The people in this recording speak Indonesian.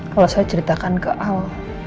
kalau saya ceritakan ke al